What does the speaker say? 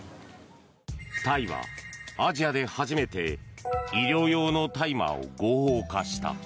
タイはアジアで初めて医療用の大麻を合法化した。